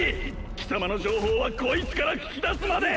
貴様の情報はこいつから聞き出すまで！